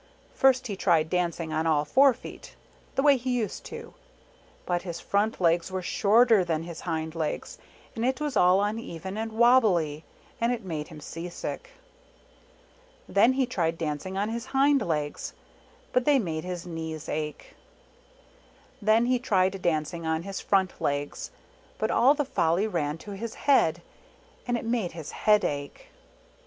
First he tried dancing on all four feet, the way he used to ; but his front legs were shorter than his hind legs, and it was all uneven and wobbly, and it made him sea sick. Then he tried dancing on his hind legs ; but that made his knees ache. Then he tried dancing on his front legs, but all the folly ran to his head, and it made his head ache.